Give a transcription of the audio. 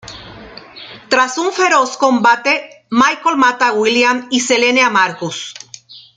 Tras un feroz combate, Michael mata a William y Selene a Marcus.